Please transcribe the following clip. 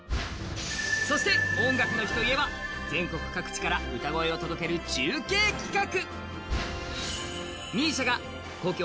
そして「音楽の日」といえば全国各地から歌声を届ける中継企画。